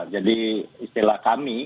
jadi istilah kami